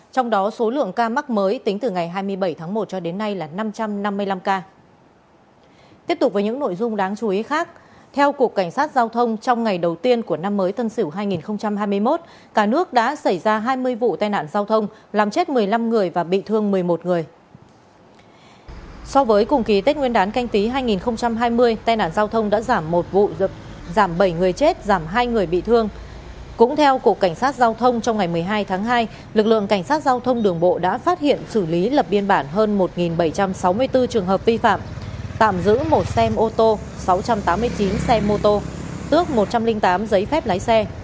trong ngày một mươi hai tháng hai lực lượng cảnh sát giao thông đường bộ đã phát hiện xử lý lập biên bản hơn một bảy trăm sáu mươi bốn trường hợp vi phạm tạm giữ một xe mô tô sáu trăm tám mươi chín xe mô tô ước một trăm linh tám giấy phép lái xe